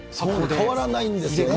変わらないんですよね。